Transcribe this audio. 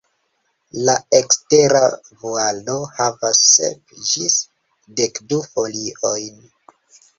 La ekstera vualo havas sep ĝis dekdu foliojn.